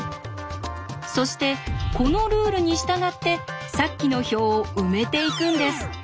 そしてこのルールに従ってさっきの表を埋めていくんです。